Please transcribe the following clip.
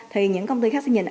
thì những công ty khác sẽ nhìn